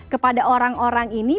kepada orang orang ini